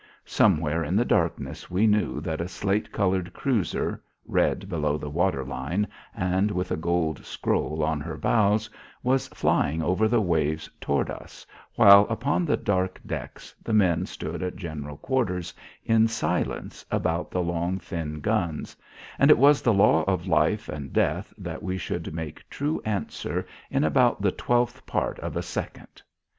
Somewhere in the darkness we knew that a slate coloured cruiser, red below the water line and with a gold scroll on her bows, was flying over the waves toward us, while upon the dark decks the men stood at general quarters in silence about the long thin guns, and it was the law of life and death that we should make true answer in about the twelfth part of a second.